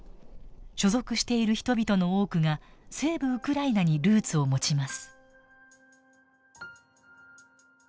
所属している人々の多くが西部ウクライナにルーツを持ちます。